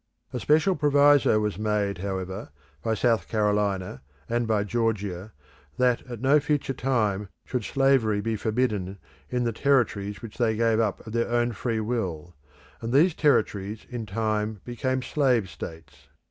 A special proviso was made, however, by South Carolina and by Georgia, that at no future time should slavery be forbidden in the territories which they gave up of their own free will and these territories in time became slave states.